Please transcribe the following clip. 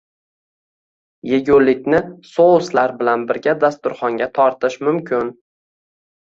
Yegulikni souslar bilan birga dasturxonga tortish mumkin